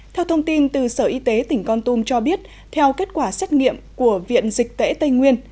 theo thông tin từ sở y tế tỉnh con tum cho biết theo kết quả xét nghiệm của viện dịch tễ tây nguyên